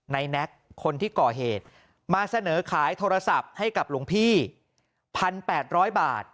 แน็กคนที่ก่อเหตุมาเสนอขายโทรศัพท์ให้กับหลวงพี่๑๘๐๐บาท